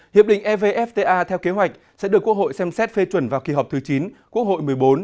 hiệp định evfta theo kế hoạch sẽ được quốc hội xem xét phê chuẩn vào kỳ họp thứ chín quốc hội một mươi bốn